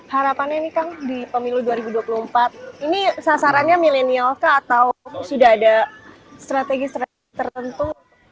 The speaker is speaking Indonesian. harapannya nih kang di pemilu dua ribu dua puluh empat ini sasarannya milenial kah atau sudah ada strategi strategi tertentu